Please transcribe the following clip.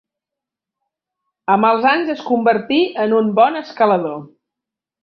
Amb els anys es convertí en un bon escalador.